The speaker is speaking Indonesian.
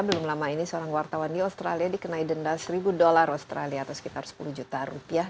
belum lama ini seorang wartawan di australia dikenai denda seribu dolar australia atau sekitar sepuluh juta rupiah